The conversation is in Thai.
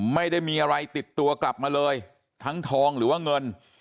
ไม่ได้มีอะไรติดตัวกลับมาเลยทั้งทองหรือว่าเงิน